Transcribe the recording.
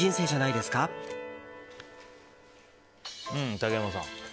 竹山さん。